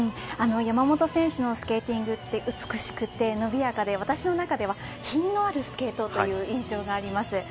山本選手のスケーティングって美しくて伸びやかで私の中では品のあるスケートという印象があります。